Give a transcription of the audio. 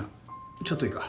ちょっといいか？